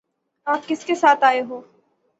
آپ کس کے ساتھ آئے ہو؟